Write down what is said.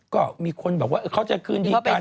ก็มีคนบอกว่าเขาจะคืนดีกัน